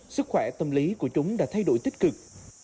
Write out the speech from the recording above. sức khỏe tâm lý của chúng đã thay đổi tích cực